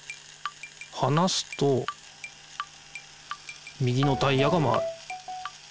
はなすと右のタイヤが回る。